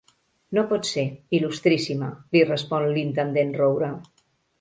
No pot ser, il·lustríssima —li respon l'intendent Roure.